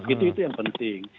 itu itu yang penting